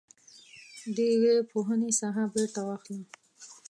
د ويي پوهنې ساحه بیرته واخله.